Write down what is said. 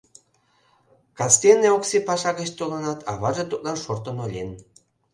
Кастене Окси паша гыч толынат, аваже тудлан шортын ойлен: